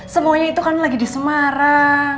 semuanya itu kan lagi di semarang